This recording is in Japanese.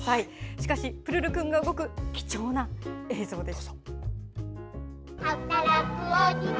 しかし、プルルくんが動く貴重な映像です。